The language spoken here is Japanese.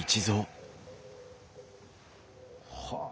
はあ。